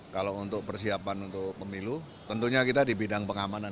kalau untuk persiapan untuk pemilu tentunya kita di bidang pengamanan